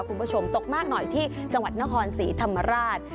คุณผู้ชมตกมากหน่อยที่จังหวัดนครศรีธรรมราช